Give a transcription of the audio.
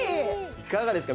いかがですか？